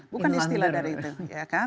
bukan istilah dari itu